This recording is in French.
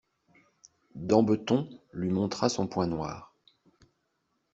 Dambeton, lui montra son poing noir.